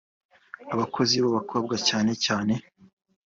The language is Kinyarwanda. Abakozi b’abakobwa cyane cyane